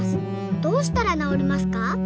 どうしたらなおりますか？」。